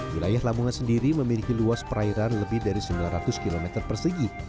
wilayah lamongan sendiri memiliki luas perairan lebih dari sembilan ratus km persegi